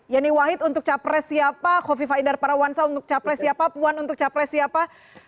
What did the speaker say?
yeni wahid untuk capres siapa kofifa indar parawansa untuk capres siapa puan untuk capres siapa